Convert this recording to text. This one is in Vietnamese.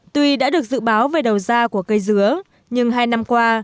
tuy đã được dự báo về đầu ra của cây dứa nhưng hai năm qua